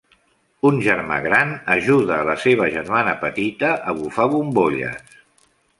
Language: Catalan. Un germà gran ajuda a la seva germana petita a bufar bombolles.